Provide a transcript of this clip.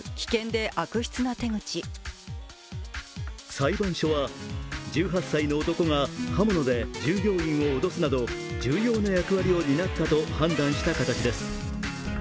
裁判所は、１８歳の男が刃物で従業員を脅すなど、重要な役割を担ったと判断した形です。